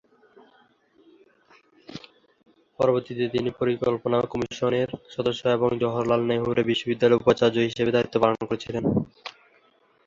পরবর্তীতে তিনি পরিকল্পনা কমিশনের সদস্য এবং জওহরলাল নেহেরু বিশ্ববিদ্যালয়ের উপাচার্য হিসাবেও দায়িত্ব পালন করেছিলেন।